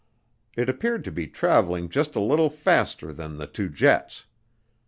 It appeared to be traveling just a little faster than the two jets.